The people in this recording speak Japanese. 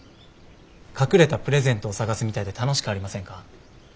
隠れたプレゼントを探すみたいで楽しくありませんか？